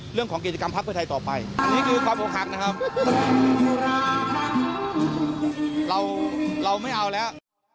เราไม่เอาแล้ว